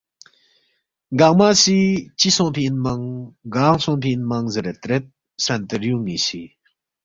گنگمہ سی ”چِہ سونگفی اِنمنگ گانگ سونگفی انمنگ؟” زیرے ترید، سنتریُون٘ی سی